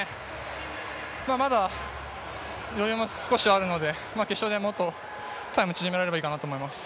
まだ余裕も少しあるので決勝でもっとタイムを縮められればいいかなと思います。